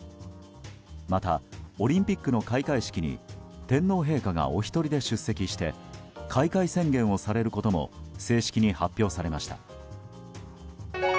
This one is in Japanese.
また、オリンピックの開会式に天皇陛下がおひとりで出席して開会宣言をされることも正式に発表されました。